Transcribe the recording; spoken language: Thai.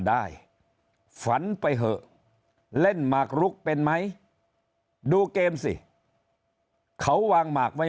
ได้ฝันไปเถอะเล่นหมากลุกเป็นไหมดูเกมสิเขาวางหมากไว้